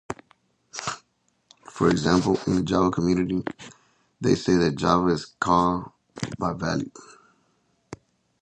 For example, in the Java community, they say that Java is call by value.